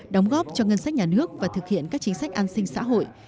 đóng góp cho ngân sách nhà nước và thực hiện các chính sách an sinh xã hội